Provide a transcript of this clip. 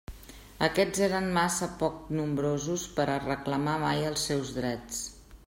Aquests eren massa poc nombrosos per a reclamar mai els seus drets.